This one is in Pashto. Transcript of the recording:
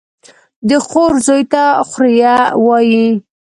د خور زوى ته خوريه وايي.